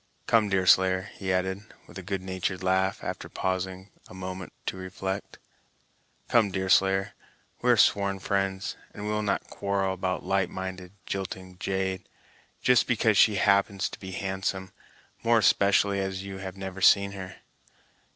Come, Deerslayer," he added, with a good natured laugh, after pausing a moment to reflect, "come, Deerslayer, we are sworn friends, and will not quarrel about a light minded, jilting jade, just because she happens to be handsome; more especially as you have never seen her.